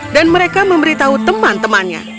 dan mereka memberitahu teman temannya